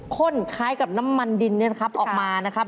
่นคล้ายกับน้ำมันดินเนี่ยนะครับออกมานะครับ